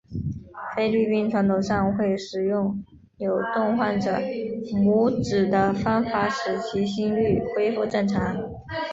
菲律宾传统上会使用扭动患者拇趾的方法使其心律恢复正常。